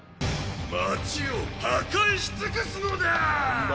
街を破壊し尽くすのだ！